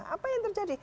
apa yang terjadi